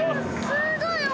すごいね。